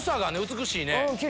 美しいね。